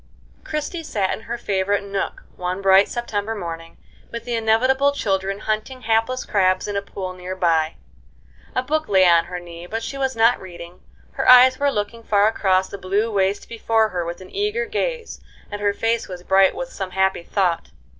Christie sat in her favorite nook one bright September morning, with the inevitable children hunting hapless crabs in a pool near by. A book lay on her knee, but she was not reading; her eyes were looking far across the blue waste before her with an eager gaze, and her face was bright with some happy thought.